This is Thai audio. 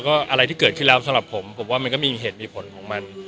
ก็อะไรที่เกิดขึ้นแล้วสำหรับผมผมว่ามันก็มีเหตุมีผลของมัน